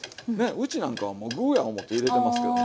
うちなんかはもう具や思って入れてますけどね。